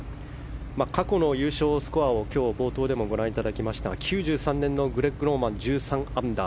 過去の優勝スコアを今日冒頭でもご覧いただきましたが９３年のローマンの１３アンダー